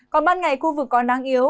còn ban ngày khu vực còn đang yếu